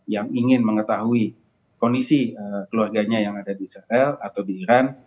yang ingin mengetahui kondisi keluarganya yang ada di israel atau di iran